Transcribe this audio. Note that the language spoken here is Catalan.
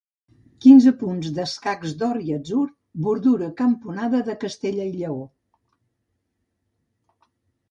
Quinze punts d'escacs d'or i atzur, bordura componada de Castella i Lleó.